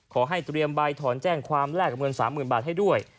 ขอให้เตรียมใบถอนแจ้งความแลกกับเงิน๓๐๐๐บาทให้ด้วย